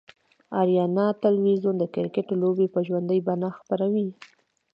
آریانا تلویزیون دکرکټ لوبې به ژوندۍ بڼه خپروي